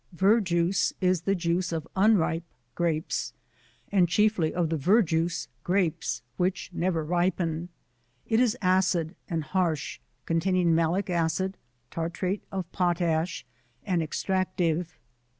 Verjuice is the juice of unripe Grapes and chiefly of the Verjuice Grapes, which never ripen. It is acid and harsh, containing malic acid, tartrMe of potash, and ex tractive.